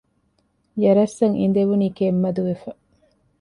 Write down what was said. ޔަރަސް އަށް އިނދެވުނީ ކެތް މަދުވެފަ